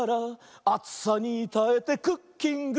「あつさにたえてクッキング」